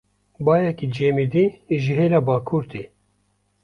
Bayekî cemidî ji hêla bakur tê.